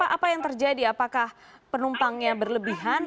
apa yang terjadi apakah penumpangnya berlebihan